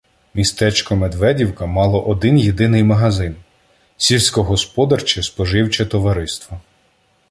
Містечко Медведівка мало один-єдиний магазин — "Сільськогосподарче споживче товариство".